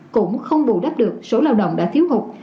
cũng không bù đắp được số lao động đã thiếu hụt